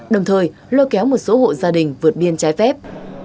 đồng thời lôi kéo một số hộ gia đình vượt biên trái phép